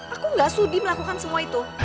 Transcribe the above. aku gak sudi melakukan semua itu